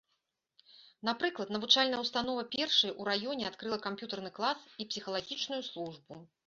Напрыклад, навучальная ўстанова першай у раёне адкрыла камп'ютарны клас і псіхалагічную службу.